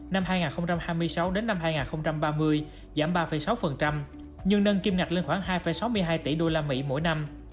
năm hai nghìn hai mươi sáu đến năm hai nghìn ba mươi giảm ba sáu nhưng nâng kim ngạch lên khoảng hai sáu mươi hai tỷ usd mỗi năm